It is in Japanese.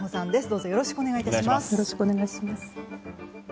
どうぞよろしくお願い致します。